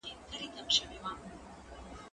مېوې وخوره،